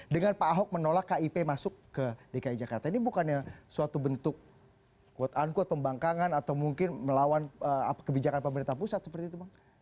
dengan pak ahok menolak kip masuk ke dki jakarta ini bukannya suatu bentuk quote unquote pembangkangan atau mungkin melawan kebijakan pemerintah pusat seperti itu bang